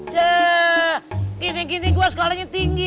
ya gini gini gue sekolahnya tinggi